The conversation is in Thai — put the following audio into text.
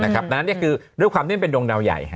ดังนั้นคือด้วยความที่มันเป็นดวงดาวใหญ่